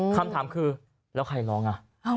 คำถามคือแล้วใครร้องอ่ะ